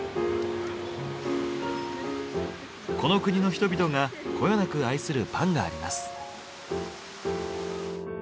この国の人々がこよなく愛するパンがあります。